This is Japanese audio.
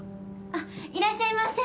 あっいらっしゃいませ！